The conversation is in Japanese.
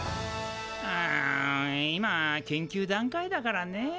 ん今研究段階だからねえ。